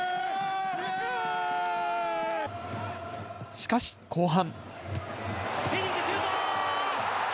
しかし後半。